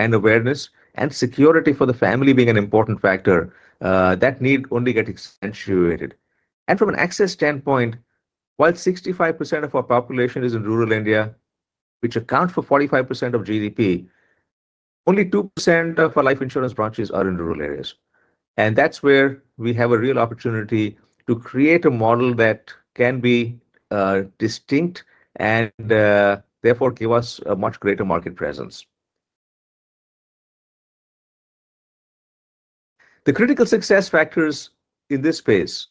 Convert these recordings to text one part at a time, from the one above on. Awareness and security for the family being an important factor, that need only get accentuated. From an access standpoint, while 65% of our population is in rural India, which accounts for 45% of GDP, only 2% of our life insurance branches are in rural areas. That is where we have a real opportunity to create a model that can be distinct and, therefore, give us a much greater market presence. The critical success factors in this space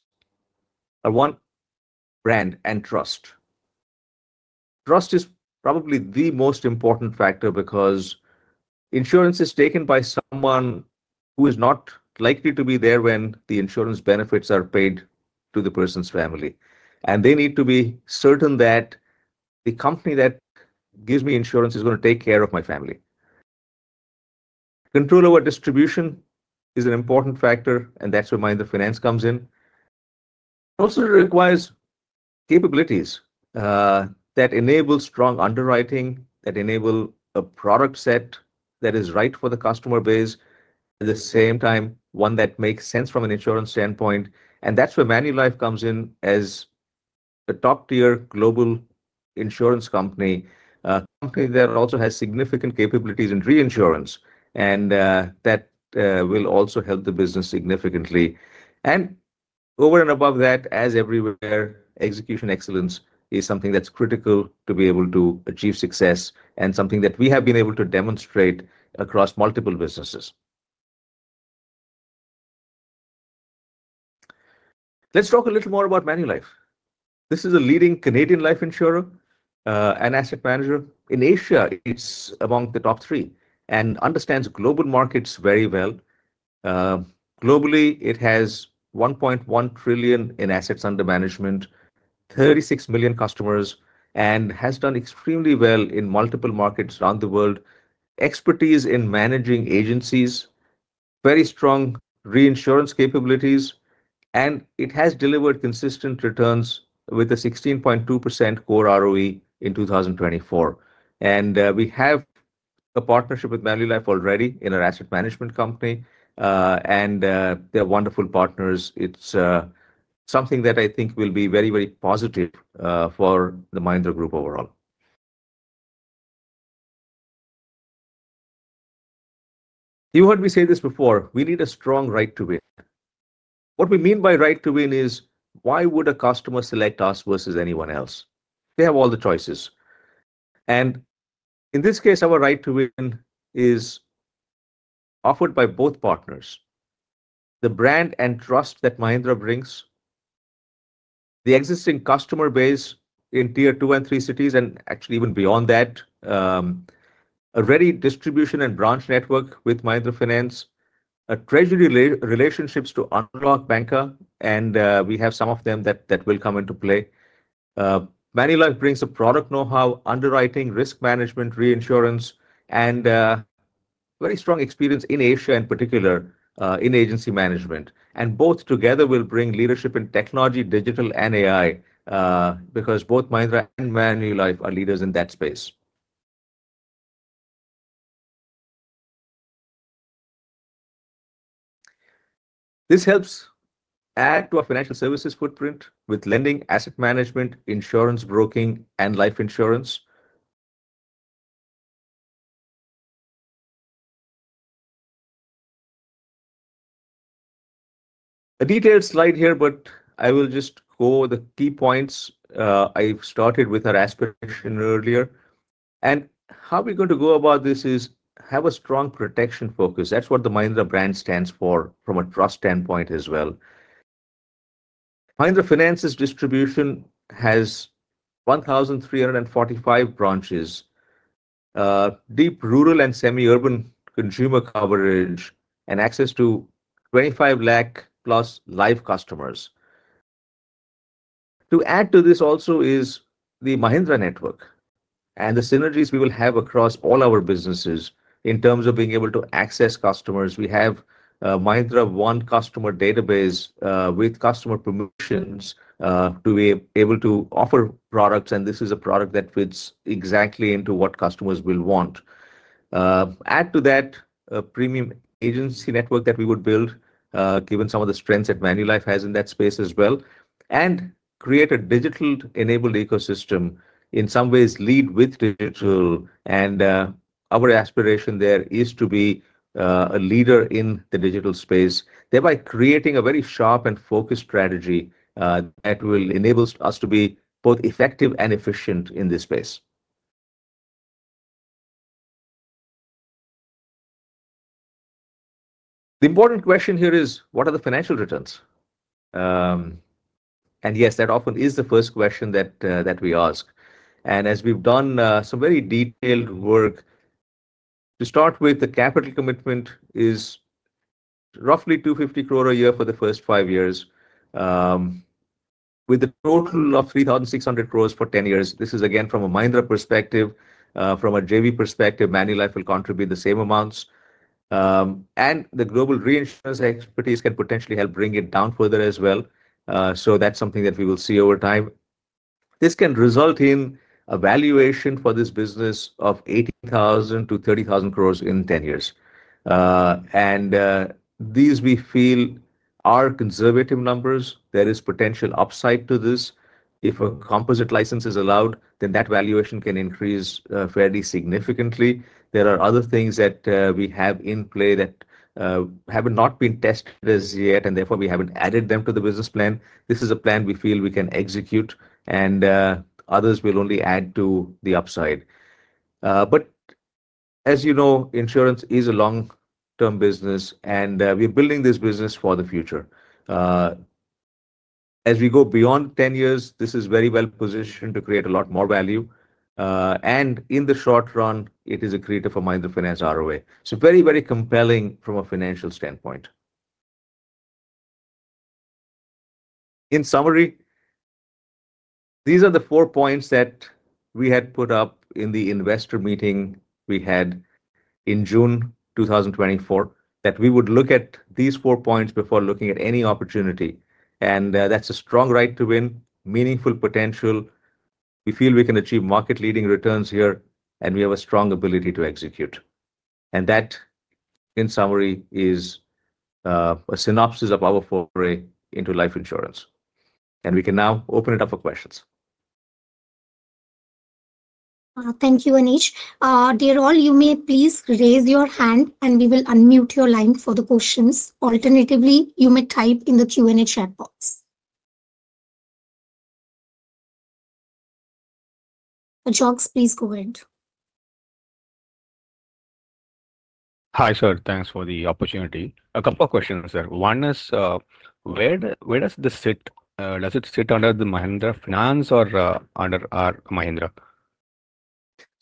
are, one, brand and trust. Trust is probably the most important factor because insurance is taken by someone who is not likely to be there when the insurance benefits are paid to the person's family. They need to be certain that the company that gives me insurance is going to take care of my family. Control over distribution is an important factor, and that is where Mahindra Finance comes in. It also requires capabilities that enable strong underwriting, that enable a product set that is right for the customer base, at the same time one that makes sense from an insurance standpoint. That is where Manulife comes in as a top-tier global insurance company, a company that also has significant capabilities in reinsurance, and that will also help the business significantly. Over and above that, as everywhere, execution excellence is something that is critical to be able to achieve success and something that we have been able to demonstrate across multiple businesses. Let's talk a little more about Manulife. This is a leading Canadian life insurer and asset manager. In Asia, it is among the top three and understands global markets very well. Globally, it has 1.1 trillion in assets under management, 36 million customers, and has done extremely well in multiple markets around the world. Expertise in managing agencies, very strong reinsurance capabilities, and it has delivered consistent returns with a 16.2% core ROE in 2024. We have a partnership with Manulife already in our asset management company, and they're wonderful partners. It's something that I think will be very, very positive for the Mahindra Group overall. You heard me say this before: we need a strong right to win. What we mean by right to win is, why would a customer select us versus anyone else? They have all the choices. In this case, our right to win is offered by both partners: the brand and trust that Mahindra brings, the existing customer base in tier two and three cities, and actually even beyond that, a ready distribution and branch network with Mahindra Finance, treasury relationships to Anarock Banker, and we have some of them that will come into play. Manulife brings a product know-how, underwriting, risk management, reinsurance, and very strong experience in Asia in particular, in agency management. Both together will bring leadership in technology, digital, and AI, because both Mahindra and Manulife are leaders in that space. This helps add to our financial services footprint with lending, asset management, insurance, broking, and life insurance. A detailed slide here, but I will just go over the key points. I've started with our aspiration earlier. How we're going to go about this is have a strong protection focus. That's what the Mahindra brand stands for from a trust standpoint as well. Mahindra Finance's distribution has 1,345 branches, deep rural and semi-urban consumer coverage, and access to 2.5 million+ live customers. To add to this also is the Mahindra network and the synergies we will have across all our businesses in terms of being able to access customers. We have Mahindra One customer database, with customer permissions, to be able to offer products, and this is a product that fits exactly into what customers will want. Add to that a premium agency network that we would build, given some of the strengths that Manulife has in that space as well, and create a digital-enabled ecosystem, in some ways lead with digital. Our aspiration there is to be a leader in the digital space, thereby creating a very sharp and focused strategy that will enable us to be both effective and efficient in this space. The important question here is, what are the financial returns? Yes, that often is the first question that we ask. As we have done some very detailed work, to start with, the capital commitment is roughly 250 crore a year for the first five years, with a total of 3,600 crore for 10 years. This is again from a Mahindra perspective. From a JV perspective, Manulife will contribute the same amounts. The global reinsurance expertise can potentially help bring it down further as well. That is something that we will see over time. This can result in a valuation for this business of 80,000 to 30,000 crore in 10 years. These we feel are conservative numbers. There is potential upside to this. If a composite license is allowed, then that valuation can increase fairly significantly. There are other things that we have in play that have not been tested as yet, and therefore we have not added them to the business plan. This is a plan we feel we can execute, and others will only add to the upside. As you know, insurance is a long-term business, and we're building this business for the future. As we go beyond 10 years, this is very well positioned to create a lot more value. In the short run, it is a creator for Mahindra Finance ROA. Very, very compelling from a financial standpoint. In summary, these are the four points that we had put up in the investor meeting we had in June 2024, that we would look at these four points before looking at any opportunity. That is a strong right to win, meaningful potential. We feel we can achieve market-leading returns here, and we have a strong ability to execute. That, in summary, is a synopsis of our foray into life insurance. We can now open it up for questions. Thank you, Anish. Dear all, you may please raise your hand, and we will unmute your line for the questions. Alternatively, you may type in the Q&A chat box. Ajax, please go ahead. Hi, sir. Thanks for the opportunity. A couple of questions, sir. One is, where does this sit? Does it sit under the Mahindra Finance or under our Mahindra?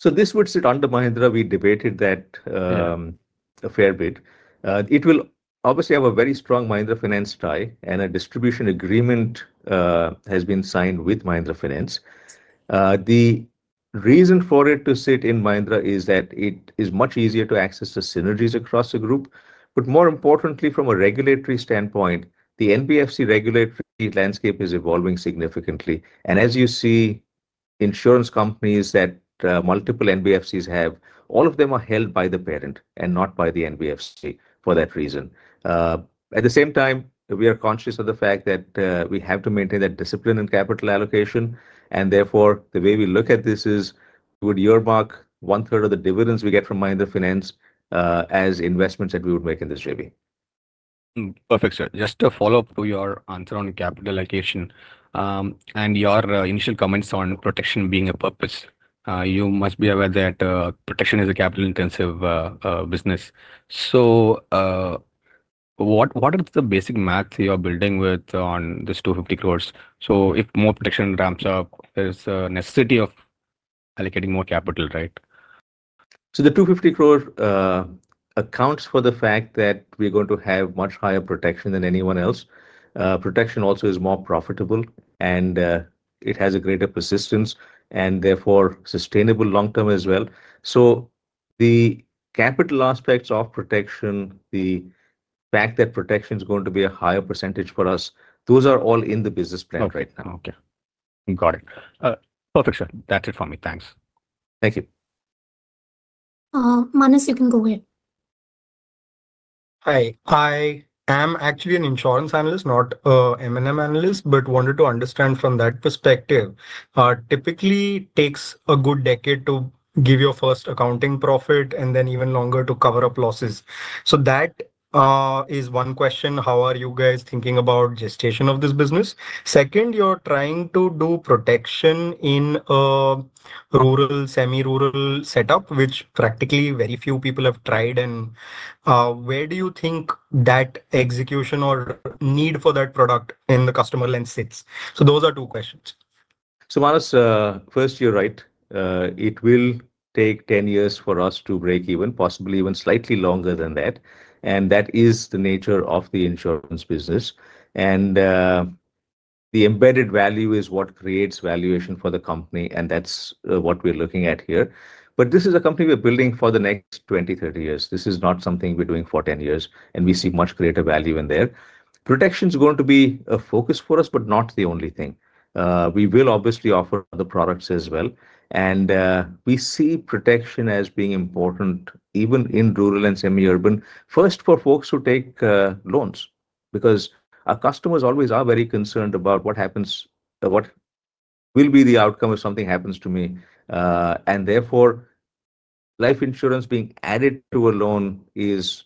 This would sit under Mahindra. We debated that a fair bit. It will obviously have a very strong Mahindra Finance tie, and a distribution agreement has been signed with Mahindra Finance. The reason for it to sit in Mahindra is that it is much easier to access the synergies across the group. More importantly, from a regulatory standpoint, the NBFC regulatory landscape is evolving significantly. As you see, insurance companies that multiple NBFCs have, all of them are held by the parent and not by the NBFC for that reason. At the same time, we are conscious of the fact that we have to maintain that discipline in capital allocation. Therefore, the way we look at this is, we would earmark one-third of the dividends we get from Mahindra Finance as investments that we would make in this JV. Perfect, sir. Just to follow up to your answer on capital allocation, and your initial comments on protection being a purpose, you must be aware that protection is a capital-intensive business. What are the basic maths you are building with on this 250 crore? If more protection ramps up, there's a necessity of allocating more capital, right? The 250 crore accounts for the fact that we're going to have much higher protection than anyone else. Protection also is more profitable, and it has a greater persistence and therefore sustainable long-term as well. The capital aspects of protection, the fact that protection is going to be a higher percentage for us, those are all in the business plan right now. Okay. Got it. Perfect, sir. That's it for me. Thanks. Thank you. Manus, you can go ahead. Hi. I am actually an insurance analyst, not a M&M analyst, but wanted to understand from that perspective, typically takes a good decade to give your first accounting profit and then even longer to cover up losses. That is one question: how are you guys thinking about gestation of this business? Second, you're trying to do protection in a rural, semi-rural setup, which practically very few people have tried. Where do you think that execution or need for that product in the customer lens sits? Those are two questions. Manus, first, you're right. It will take 10 years for us to break even, possibly even slightly longer than that. That is the nature of the insurance business. The embedded value is what creates valuation for the company. That's what we're looking at here. This is a company we're building for the next 20, 30 years. This is not something we're doing for 10 years. We see much greater value in there. Protection is going to be a focus for us, but not the only thing. We will obviously offer the products as well. We see protection as being important even in rural and semi-urban, first for folks who take loans, because our customers always are very concerned about what happens, what will be the outcome if something happens to me. Therefore, life insurance being added to a loan is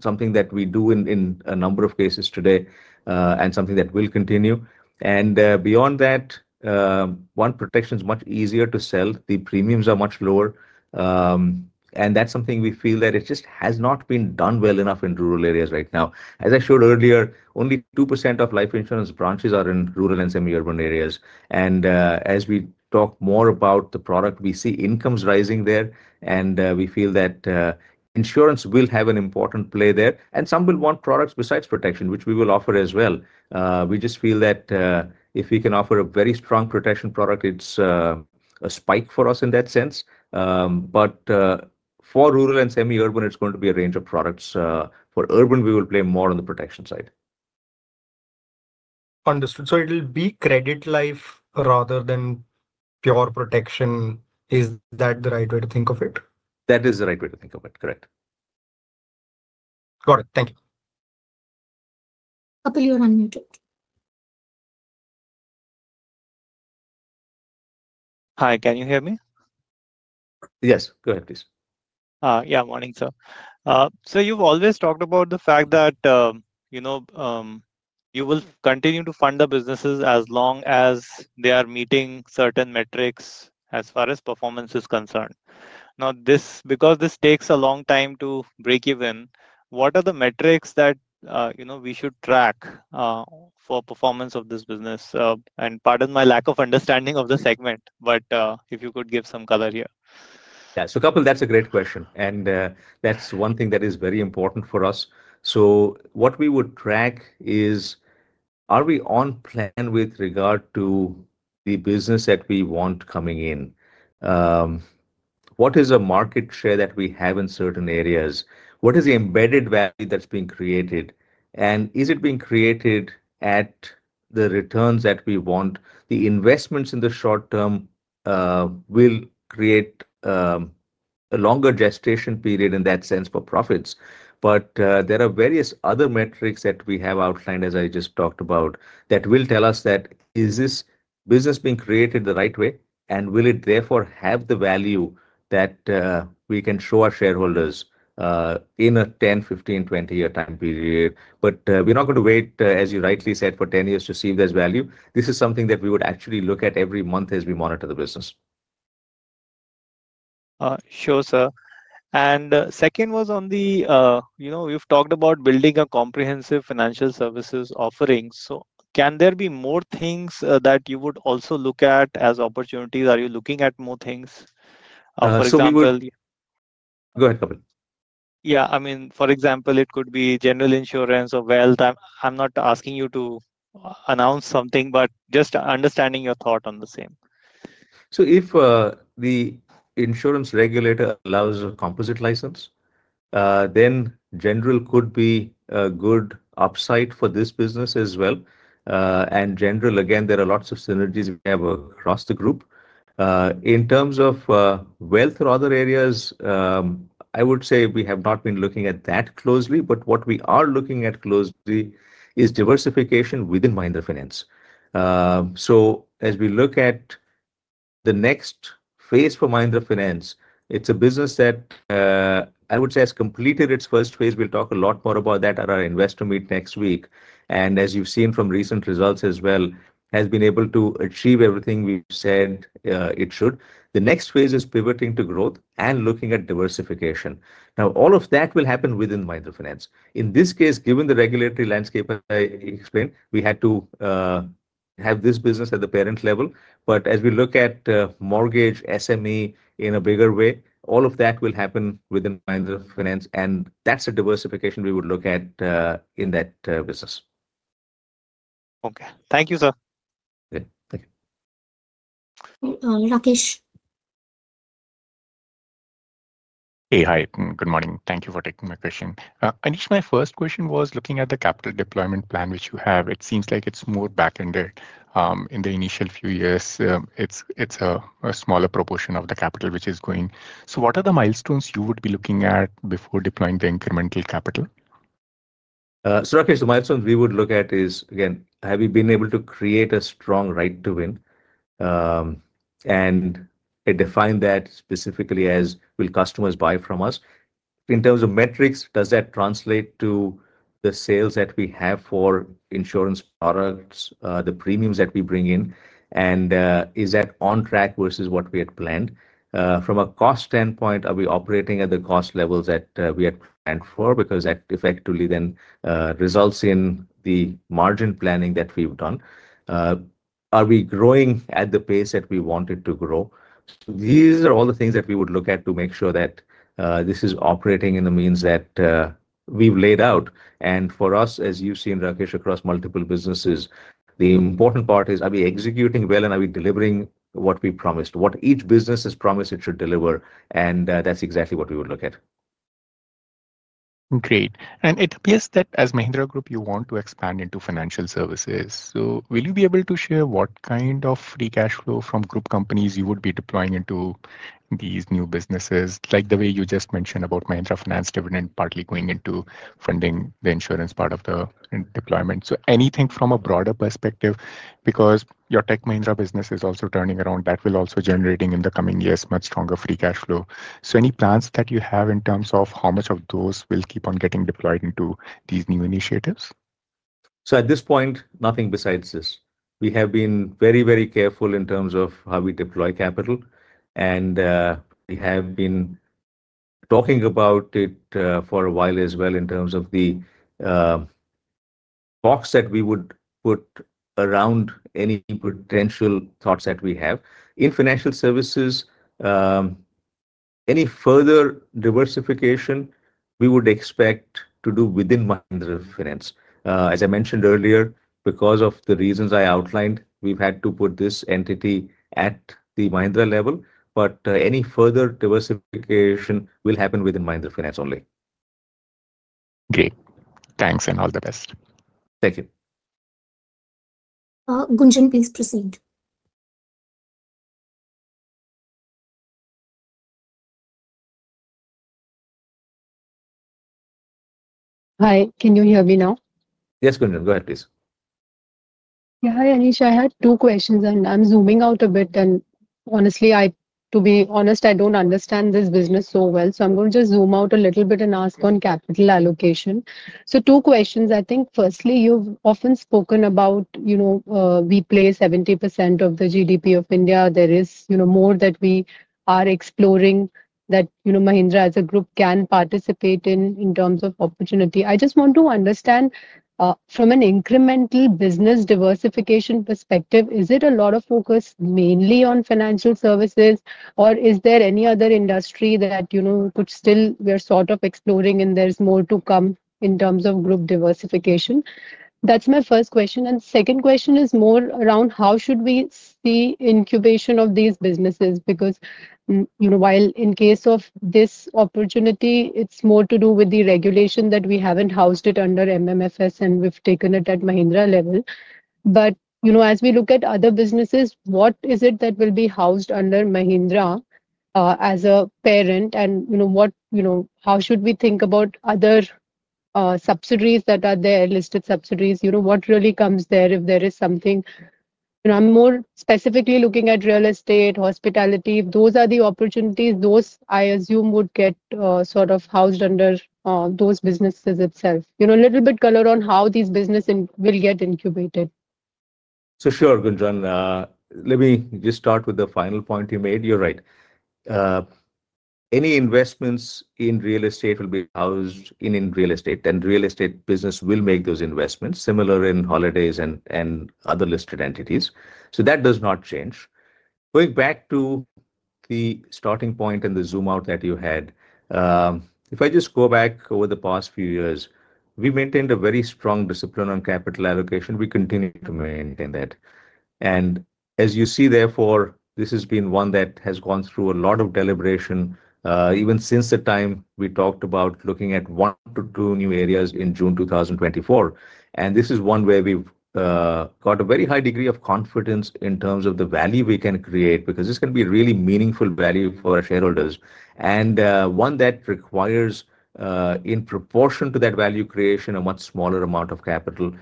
something that we do in a number of cases today, and something that will continue. Beyond that, one, protection is much easier to sell. The premiums are much lower, and that's something we feel that just has not been done well enough in rural areas right now. As I showed earlier, only 2% of life insurance branches are in rural and semi-urban areas. As we talk more about the product, we see incomes rising there, and we feel that insurance will have an important play there. Some will want products besides protection, which we will offer as well. We just feel that if we can offer a very strong protection product, it's a spike for us in that sense. For rural and semi-urban, it's going to be a range of products. For urban, we will play more on the protection side. Understood. So, it'll be credit life rather than pure protection. Is that the right way to think of it? That is the right way to think of it. Correct. Got it. Thank you. Kapil, you're unmuted. Hi. Can you hear me? Yes. Go ahead, please. Yeah. Morning, sir. Sir, you've always talked about the fact that, you know, you will continue to fund the businesses as long as they are meeting certain metrics as far as performance is concerned. Now, this, because this takes a long time to break even, what are the metrics that, you know, we should track for performance of this business? And pardon my lack of understanding of the segment, but, if you could give some color here. Yeah. Kapil, that's a great question. That's one thing that is very important for us. What we would track is, are we on plan with regard to the business that we want coming in? What is the market share that we have in certain areas? What is the embedded value that's being created? Is it being created at the returns that we want? The investments in the short term will create a longer gestation period in that sense for profits. There are various other metrics that we have outlined, as I just talked about, that will tell us that, is this business being created the right way? Will it therefore have the value that we can show our shareholders in a 10, 15, 20-year time period? We're not going to wait, as you rightly said, for 10 years to see if there's value. This is something that we would actually look at every month as we monitor the business. Sure, sir. The second was on the, you know, we've talked about building a comprehensive financial services offering. Can there be more things that you would also look at as opportunities? Are you looking at more things? Yeah. So, we will. For example? Go ahead, Kapil. Yeah. I mean, for example, it could be general insurance or wealth. I'm not asking you to announce something, but just understanding your thought on the same. If the insurance regulator allows a composite license, then general could be a good upside for this business as well. And general, again, there are lots of synergies we have across the group. In terms of wealth or other areas, I would say we have not been looking at that closely. What we are looking at closely is diversification within Mahindra Finance. As we look at the next phase for Mahindra Finance, it's a business that, I would say, has completed its first phase. We'll talk a lot more about that at our investor meet next week. As you've seen from recent results as well, it has been able to achieve everything we've said it should. The next phase is pivoting to growth and looking at diversification. All of that will happen within Mahindra Finance. In this case, given the regulatory landscape I explained, we had to have this business at the parent level. As we look at mortgage, SME in a bigger way, all of that will happen within Mahindra Finance. That is a diversification we would look at in that business. Okay. Thank you, sir. Okay. Thank you. Rakesh. Hey, hi. Good morning. Thank you for taking my question. Anish, my first question was looking at the capital deployment plan, which you have. It seems like it's more back-ended, in the initial few years. It's a smaller proportion of the capital which is going. What are the milestones you would be looking at before deploying the incremental capital? Rakesh, the milestones we would look at is, again, have we been able to create a strong right to win? I define that specifically as will customers buy from us? In terms of metrics, does that translate to the sales that we have for insurance products, the premiums that we bring in? Is that on track versus what we had planned? From a cost standpoint, are we operating at the cost levels that we had planned for? Because that effectively then results in the margin planning that we've done. Are we growing at the pace that we want it to grow? These are all the things that we would look at to make sure that this is operating in the means that we've laid out. For us, as you've seen, Rakesh, across multiple businesses, the important part is, are we executing well? Are we delivering what we promised? What each business has promised it should deliver? That is exactly what we would look at. Great. It appears that as Mahindra Group, you want to expand into financial services. Will you be able to share what kind of free cash flow from group companies you would be deploying into these new businesses, like the way you just mentioned about Mahindra Finance dividend partly going into funding the insurance part of the deployment? Anything from a broader perspective, because your Tech Mahindra business is also turning around, that will also be generating in the coming years much stronger free cash flow. Any plans that you have in terms of how much of those will keep on getting deployed into these new initiatives? At this point, nothing besides this. We have been very, very careful in terms of how we deploy capital. We have been talking about it for a while as well in terms of the talks that we would put around any potential thoughts that we have in financial services. Any further diversification we would expect to do within Mahindra Finance. As I mentioned earlier, because of the reasons I outlined, we've had to put this entity at the Mahindra level. Any further diversification will happen within Mahindra Finance only. Great. Thanks, and all the best. Thank you. Gunjan, please proceed. Hi. Can you hear me now? Yes, Gunjan. Go ahead, please. Yeah. Hi, Anish. I had two questions, and I'm zooming out a bit. And honestly, to be honest, I don't understand this business so well. So, I'm going to just zoom out a little bit and ask on capital allocation. Two questions. I think firstly, you've often spoken about, you know, we play 70% of the GDP of India. There is, you know, more that we are exploring that, you know, Mahindra as a group can participate in in terms of opportunity. I just want to understand, from an incremental business diversification perspective, is it a lot of focus mainly on financial services, or is there any other industry that, you know, could still we're sort of exploring and there's more to come in terms of group diversification? That's my first question. The second question is more around how should we see incubation of these businesses? Because, you know, while in case of this opportunity, it's more to do with the regulation that we haven't housed it under Mahindra Finance, and we've taken it at Mahindra level. But, you know, as we look at other businesses, what is it that will be housed under Mahindra, as a parent? And, you know, what, you know, how should we think about other subsidiaries that are there, listed subsidiaries? You know, what really comes there if there is something? You know, I'm more specifically looking at real estate, hospitality. Those are the opportunities. Those, I assume, would get, sort of housed under, those businesses itself. You know, a little bit color on how these businesses will get incubated. Sure, Gunjan. Let me just start with the final point you made. You're right. Any investments in real estate will be housed in real estate. And real estate business will make those investments similar in holidays and other listed entities. That does not change. Going back to the starting point and the zoom out that you had, if I just go back over the past few years, we maintained a very strong discipline on capital allocation. We continue to maintain that. As you see, therefore, this has been one that has gone through a lot of deliberation, even since the time we talked about looking at one to two new areas in June 2024. This is one where we've got a very high degree of confidence in terms of the value we can create, because this can be really meaningful value for our shareholders. One that requires, in proportion to that value creation, a much smaller amount of capital,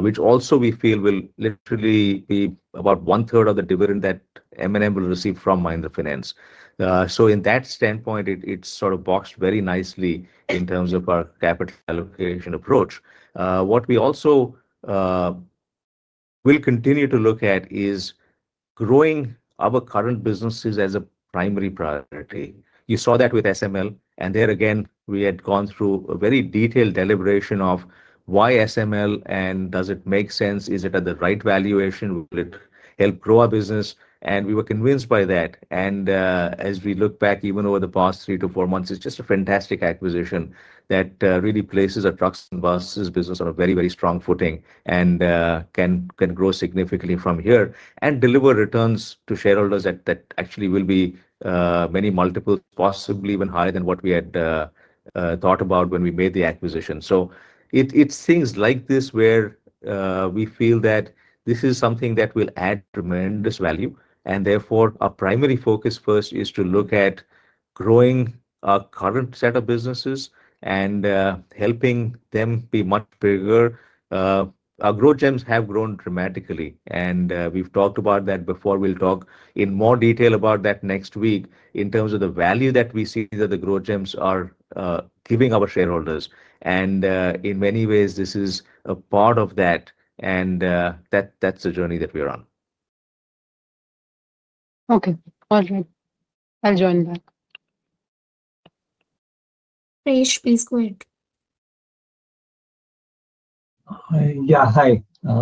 which also we feel will literally be about one-third of the dividend that M&M will receive from Mahindra Finance. In that standpoint, it is sort of boxed very nicely in terms of our capital allocation approach. What we also will continue to look at is growing our current businesses as a primary priority. You saw that with SML. There again, we had gone through a very detailed deliberation of why SML, and does it make sense? Is it at the right valuation? Will it help grow our business? We were convinced by that. As we look back, even over the past three to four months, it's just a fantastic acquisition that really places our trucks and buses business on a very, very strong footing and can grow significantly from here and deliver returns to shareholders that actually will be many multiples, possibly even higher than what we had thought about when we made the acquisition. It's things like this where we feel that this is something that will add tremendous value. Therefore, our primary focus first is to look at growing our current set of businesses and helping them be much bigger. Our growth gems have grown dramatically, and we've talked about that before. We'll talk in more detail about that next week in terms of the value that we see that the growth gems are giving our shareholders. In many ways, this is a part of that. That is the journey that we're on. Okay. All right. I'll join back. Prayesh, please go ahead. Yeah. Hi. Hi,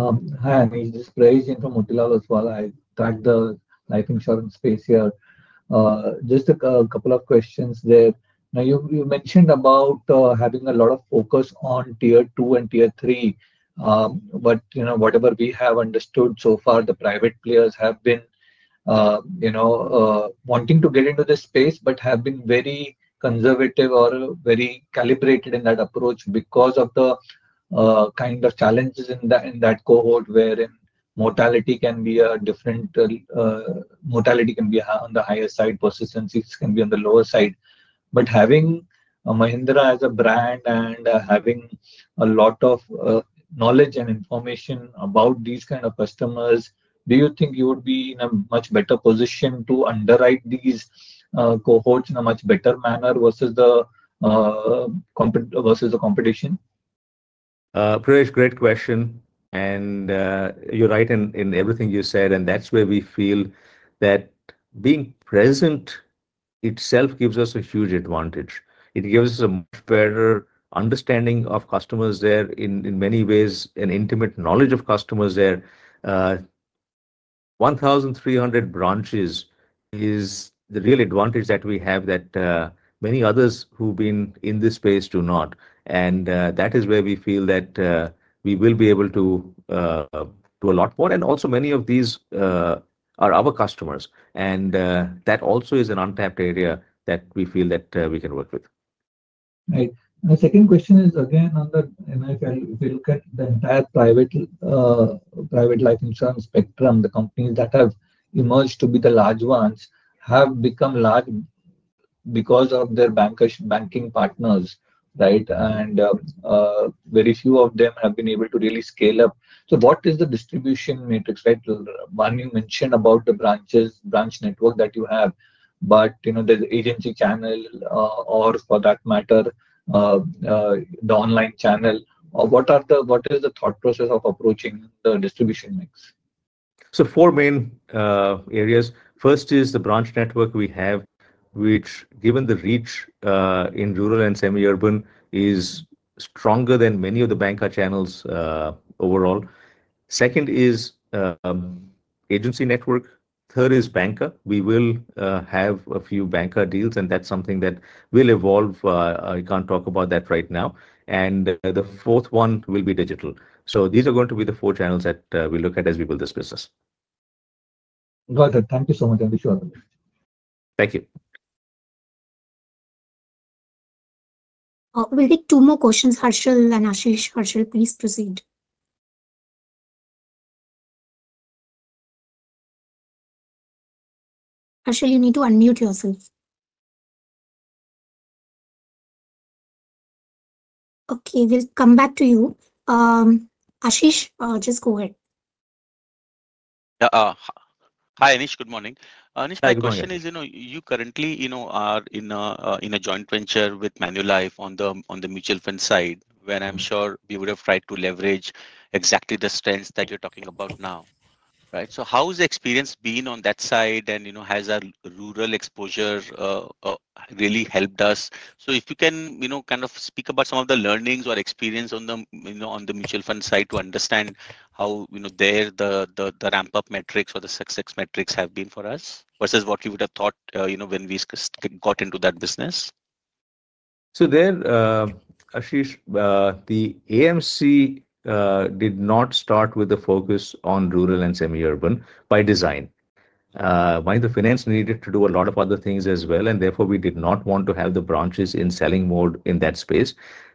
Anish. This is Prayesh from Motilal as well. I track the life insurance space here. Just a couple of questions there. Now, you mentioned about having a lot of focus on tier two and tier three. You know, whatever we have understood so far, the private players have been, you know, wanting to get into this space but have been very conservative or very calibrated in that approach because of the kind of challenges in that cohort wherein mortality can be different, mortality can be on the higher side, persistencies can be on the lower side. Having Mahindra as a brand and having a lot of knowledge and information about these kind of customers, do you think you would be in a much better position to underwrite these cohorts in a much better manner versus the competition? Prayesh, great question. You are right in everything you said. That is where we feel that being present itself gives us a huge advantage. It gives us a much better understanding of customers there, in many ways, an intimate knowledge of customers there. 1,300 branches is the real advantage that we have that many others who have been in this space do not. That is where we feel that we will be able to do a lot more. Also, many of these are our customers. That also is an untapped area that we feel we can work with. Right. My second question is, again, on the, you know, if I look at the entire private, private life insurance spectrum, the companies that have emerged to be the large ones have become large because of their banking partners, right? Very few of them have been able to really scale up. What is the distribution matrix, right? One, you mentioned about the branches, branch network that you have. You know, there's agency channel, or for that matter, the online channel. What are the, what is the thought process of approaching the distribution mix? are four main areas. First is the branch network we have, which, given the reach in rural and semi-urban, is stronger than many of the banker channels overall. Second is agency network. Third is banker. We will have a few banker deals, and that is something that will evolve. I cannot talk about that right now. The fourth one will be digital. These are going to be the four channels that we look at as we build this business. Got it. Thank you so much, Anish. Thank you. We'll take two more questions. Harshal and Ashish. Harshal, please proceed. Harshal, you need to unmute yourself. Okay. We'll come back to you. Ashish, just go ahead. Yeah. Hi, Anish. Good morning. Anish, my question is, you know, you currently, you know, are in a joint venture with Manulife on the mutual fund side, where I'm sure we would have tried to leverage exactly the strengths that you're talking about now, right? How has experience been on that side? And, you know, has our rural exposure really helped us? If you can, you know, kind of speak about some of the learnings or experience on the, you know, on the mutual fund side to understand how, you know, there the ramp-up metrics or the success metrics have been for us versus what you would have thought, you know, when we got into that business. There, Ashish, the AMC did not start with the focus on rural and semi-urban by design. Mahindra Finance needed to do a lot of other things as well. Therefore, we did not want to have the branches in selling mode in that space.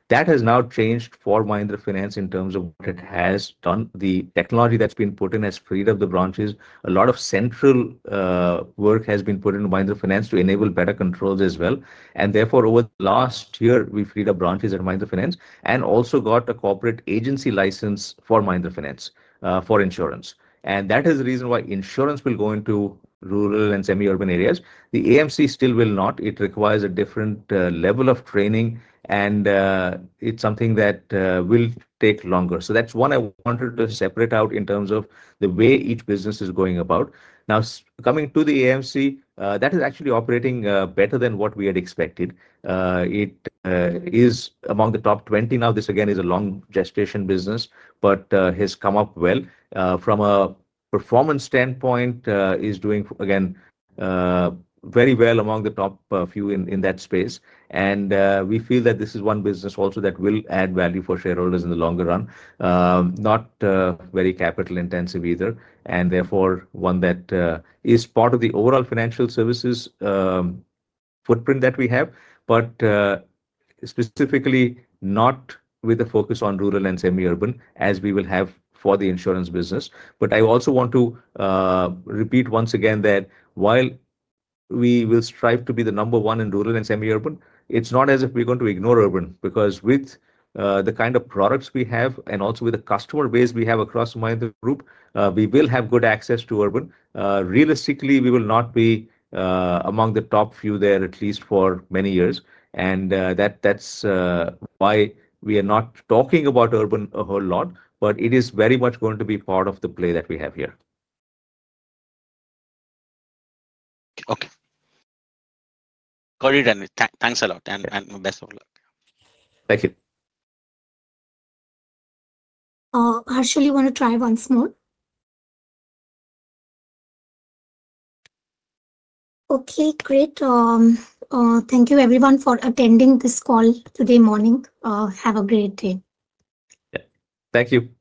That has now changed for Mahindra Finance in terms of what it has done. The technology that has been put in has freed up the branches. A lot of central work has been put into Mahindra Finance to enable better controls as well. Therefore, over the last year, we freed up branches at Mahindra Finance and also got a corporate agency license for Mahindra Finance, for insurance. That is the reason why insurance will go into rural and semi-urban areas. The AMC still will not. It requires a different level of training. It is something that will take longer. That is one I wanted to separate out in terms of the way each business is going about. Now, coming to the AMC, that is actually operating better than what we had expected. It is among the top 20 now. This, again, is a long gestation business, but has come up well from a performance standpoint, is doing, again, very well among the top few in that space. We feel that this is one business also that will add value for shareholders in the longer run, not very capital-intensive either. Therefore, one that is part of the overall financial services footprint that we have, but specifically not with a focus on rural and semi-urban as we will have for the insurance business. I also want to repeat once again that while we will strive to be the number one in rural and semi-urban, it's not as if we're going to ignore urban because with the kind of products we have and also with the customer base we have across Mahindra Group, we will have good access to urban. Realistically, we will not be among the top few there at least for many years. That is why we are not talking about urban a whole lot, but it is very much going to be part of the play that we have here. Okay. Got it, Anish. Thanks a lot, and best of luck. Thank you. Harshal, you want to try once more? Okay. Great. Thank you, everyone, for attending this call today morning. Have a great day. Yeah. Thank you. Bye-bye.